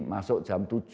masuk jam tujuh